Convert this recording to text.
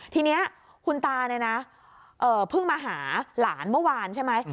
ทีนี้คุณตาเนี่ยนะเพิ่งมาหาหลานเมื่อวานใช่ไหม